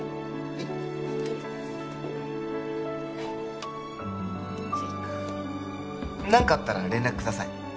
はいはい追加何かあったら連絡ください